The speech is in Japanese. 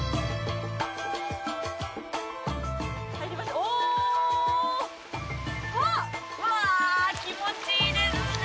おわっわ気持ちいいですね